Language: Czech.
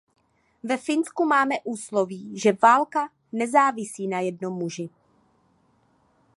Ve Finsku máme úsloví, že válka nezávisí na jednom muži.